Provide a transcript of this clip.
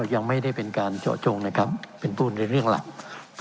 ยังไม่ได้เป็นการเจาะจงนะครับเป็นพูดในเรื่องหลัก